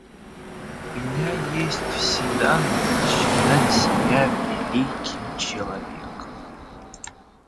У меня есть все данные считать себя великим человеком.